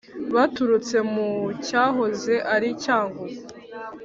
baturutse mu cyahoze ari cyangugu